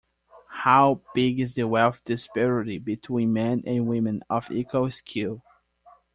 How big is the wealth disparity between men and women of equal skill?